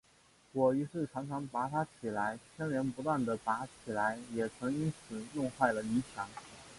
我于是常常拔它起来，牵连不断地拔起来，也曾因此弄坏了泥墙